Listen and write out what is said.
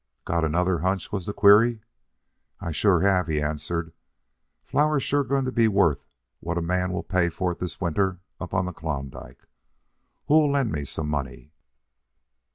"Got another hunch?" was the query. "I sure have," he answered. "Flour's sure going to be worth what a man will pay for it this winter up on the Klondike. Who'll lend me some money?"